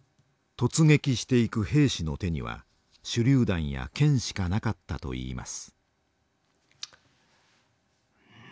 突撃していく兵士の手には手りゅう弾や剣しかなかったといいます。